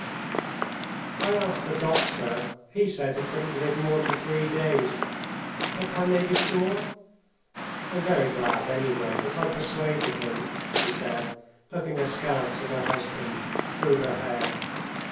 "I asked the doctor; he said he couldn't live more than three days. But can they be sure? I'm very glad, anyway, that I persuaded him," she said, looking askance at her husband through her hair.